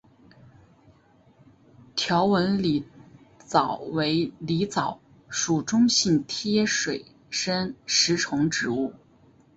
条纹狸藻为狸藻属中型贴水生食虫植物。